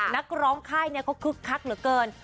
นักร้องค่ายเขาคึกคักเหลือเกิน